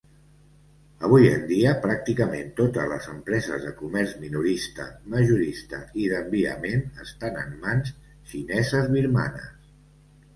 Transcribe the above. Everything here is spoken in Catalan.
Avui en dia, pràcticament totes les empreses de comerç minorista, majorista i d'enviament estan en mans xineses birmanes.